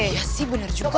iya sih benar juga